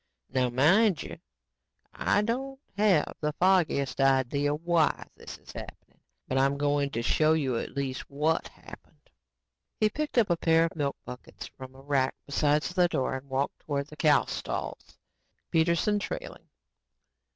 Now, mind you, I don't have the foggiest idea WHY this is happening, but I'm going to show you at least, WHAT happened." He picked up a pair of milk buckets from a rack beside the door and walked towards the cow stalls, Peterson trailing.